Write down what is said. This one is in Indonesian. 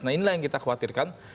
nah inilah yang kita khawatirkan